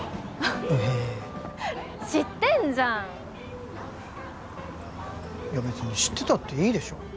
ウヘー知ってんじゃんいや別に知ってたっていいでしょ